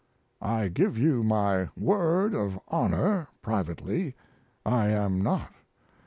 I give you my word of honor (privately) I am not.